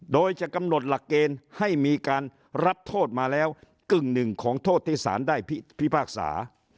โดยจะกำหนดหลักเกณฑ์ให้มีการรับโทษมาแล้วกึ่งหนึ่งของโทษที่สารได้พิพากษา